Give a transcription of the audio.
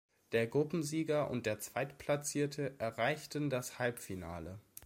Der Gruppensieger und der Zweitplatzierte erreichten das Halbfinale.